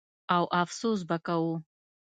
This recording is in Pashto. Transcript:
او افسوس به کوو.